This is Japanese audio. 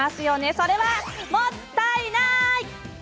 それはもったいない！